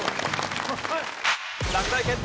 落第決定！